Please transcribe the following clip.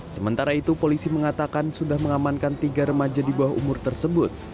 sementara itu polisi mengatakan sudah mengamankan tiga remaja di bawah umur tersebut